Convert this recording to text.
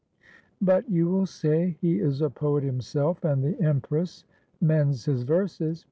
"But, you will say, he is a poet himself, and the empress mends his verses.